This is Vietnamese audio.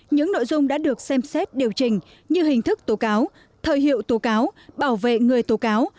những nội dung đã được xem xét điều chỉnh như hình thức tố cáo thời hiệu tố cáo bảo vệ người tố cáo